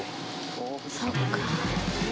そっか。